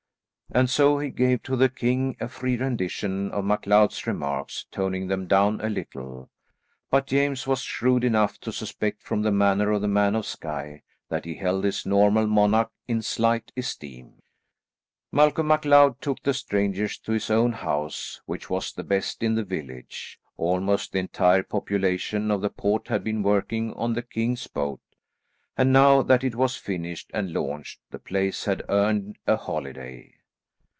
And so he gave to the king a free rendition of MacLeod's remarks, toning them down a little, but James was shrewd enough to suspect from the manner of the man of Skye, that he held his nominal monarch in slight esteem. Malcolm MacLeod took the strangers to his own house, which was the best in the village. Almost the entire population of the port had been working on the king's boat, and now that it was finished and launched, the place had earned a holiday.